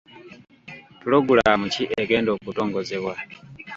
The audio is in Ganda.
Pulogulaamu ki egenda okutongozebwa?